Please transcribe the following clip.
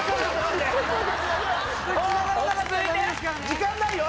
時間ないよ。